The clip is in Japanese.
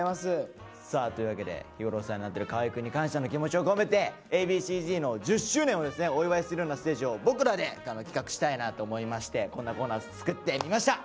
さあというわけで日頃お世話になってる河合くんに感謝の気持ちを込めてＡ．Ｂ．Ｃ−Ｚの１０周年をですねお祝いするようなステージを僕らで企画したいなと思いましてこんなコーナーを作ってみました。